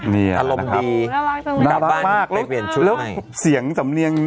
ไม่ใช่เพราะมีน้ำซึ่งพี่พีก็เน้นขึ้นมาเลยเนี้ย